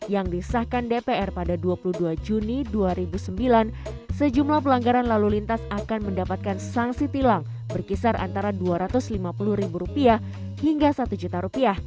yang disahkan dpr pada dua puluh dua juni dua ribu sembilan sejumlah pelanggaran lalu lintas akan mendapatkan sanksi tilang berkisar antara rp dua ratus lima puluh hingga rp satu